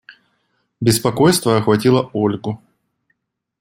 Беспокойство охватило Ольгу.